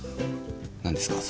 何ですか？